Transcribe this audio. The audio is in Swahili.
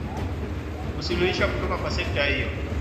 kusuluhisha kutoka kwa sekta hiyo Wakati uliopita mbinu hizi za